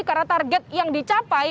karena target yang dicapai